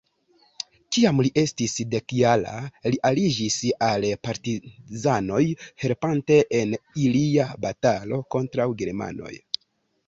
Kiam li estis dekjara, li aliĝis al partizanoj helpante en ilia batalo kontraŭ germanoj.